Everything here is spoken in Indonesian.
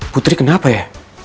putri kenapa ya